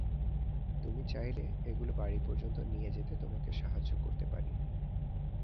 তুমি চাইলে, এগুলো বাড়ি পর্যন্ত নিয়ে যেতে তোমাকে সাহায্য করতে পারি।